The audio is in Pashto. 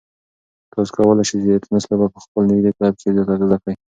تاسو کولای شئ چې د تېنس لوبه په خپل نږدې کلب کې زده کړئ.